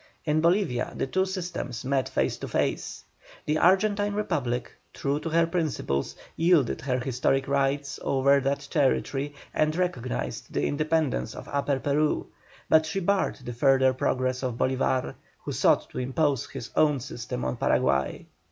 In Bolivia the two systems met face to face. The Argentine Republic, true to her principles, yielded her historic rights over that territory and recognised the independence of Upper Peru, but she barred the further progress of Bolívar, who sought to impose his own system on Paraguay.